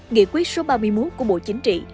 nghị quyết số ba mươi một của bộ chính trị